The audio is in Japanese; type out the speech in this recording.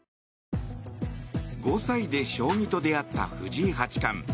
５歳で将棋と出会った藤井八冠。